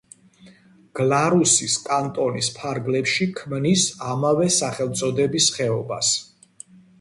გლარუსის კანტონის ფარგლებში ქმნის ამავე სახელწოდების ხეობას.